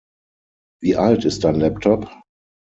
Wie alt ist dein Laptop?